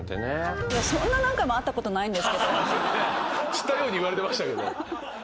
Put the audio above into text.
知ったようにいわれてましたけど。